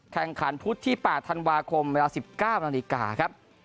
แข่งขันพุธที่๘ธันวาคมเวลา๑๙นาฬิกาครับ